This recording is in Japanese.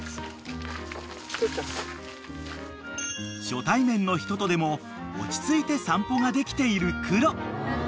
［初対面の人とでも落ち着いて散歩ができているクロ］